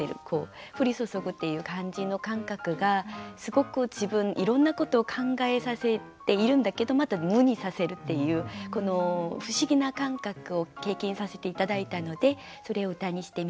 こう降り注ぐっていう感じの感覚がすごく自分いろんなことを考えさせているんだけどまた無にさせるっていうこの不思議な感覚を経験させて頂いたのでそれを歌にしてみました。